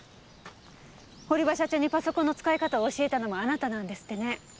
堀場社長にパソコンの使い方を教えたのもあなたなんですってね。